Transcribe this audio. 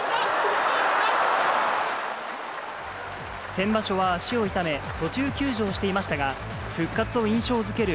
先場所は足を痛め、途中休場していましたが、復活を印象づける